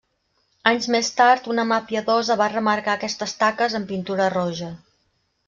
Anys més tard una mà piadosa va remarcar aquestes taques amb pintura roja.